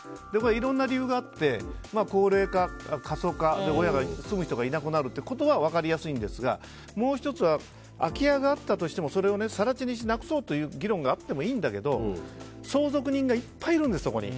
いろんな理由があって高齢化、過疎化住む人がいなくなるということは分かりやすいんですがもう１つは空き家があったとしてもそれを更地にしてなくそうという議論があってもいいんだけど相続人がいっぱいいるんですそこに。